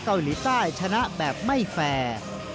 เกาหลีใต้ชนะแบบไม่แฟร์